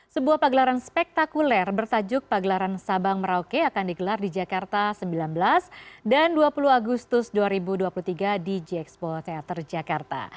sebuah pagelaran spektakuler bertajuk pagelaran sabang merauke akan digelar di jakarta sembilan belas dan dua puluh agustus dua ribu dua puluh tiga di gxpo teater jakarta